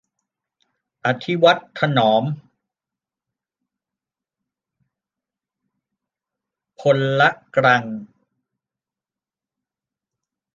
อธิวัตร ถนอมพลกรัง